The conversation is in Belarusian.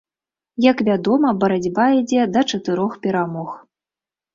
Як вядома, барацьба ідзе да чатырох перамог.